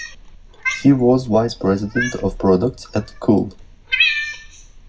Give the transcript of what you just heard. He was Vice President of Products at Cuil.